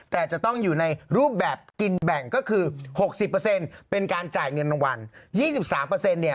แต่จะต้องอยู่ในรูปแบบกินแบ่งก็คือ๖๐เป็นการจ่ายเงินรางวัล๒๓เนี่ย